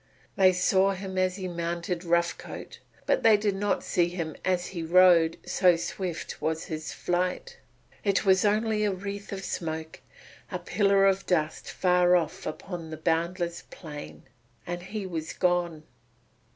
They saw him as he mounted Rough Coat but they did not see him as he rode, so swift was his flight it was only a wreath of smoke, a pillar of dust far off upon the boundless plain, and he was gone.